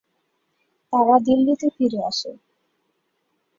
তারা দিল্লিতে ফিরে আসে।